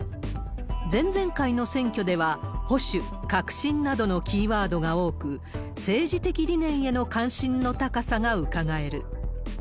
前々回の選挙では、保守、革新などのキーワードが多く、政治的理念への関心の高さがうかがえる。